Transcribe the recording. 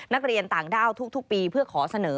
นักเรียนต่างด้าวทุกปีเพื่อขอเสนอ